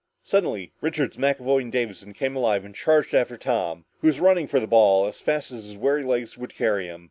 Suddenly Richards, McAvoy and Davison came alive and charged after Tom, who was running for the ball as fast as his weary legs would carry him.